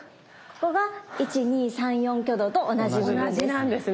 ここが１２３４挙動と同じ部分です。